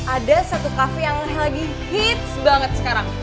ada satu kafe yang lagi hits banget sekarang